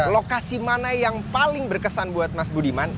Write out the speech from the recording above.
lokasi mana yang paling berkesan buat mas budiman